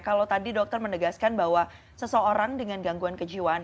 kalau tadi dokter menegaskan bahwa seseorang dengan gangguan kejiwaan